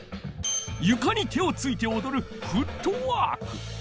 ゆかに手をついておどる「フットワーク」。